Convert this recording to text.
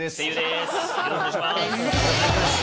よろしくお願いします。